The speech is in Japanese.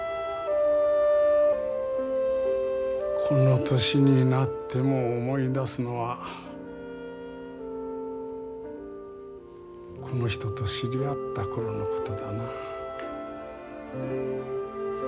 この年になっても思い出すのはこの人と知り合った頃のことだなあ。